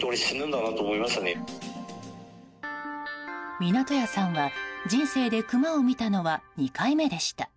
湊屋さんは、人生でクマを見たのは２回目でした。